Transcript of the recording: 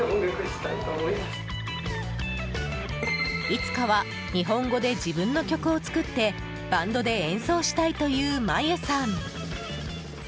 いつかは日本語で自分の曲を作ってバンドで演奏したいというマユさん。